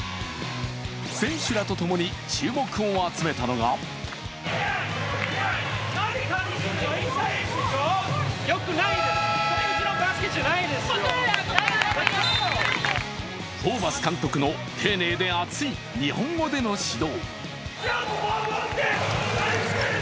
選手らとともに注目を集めたのがホーバス監督の丁寧で熱い日本語での指導。